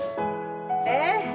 えっ？